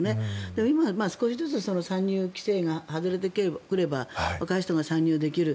でも今は、少しずつ参入規制が外れてくれば若い人が参入できる。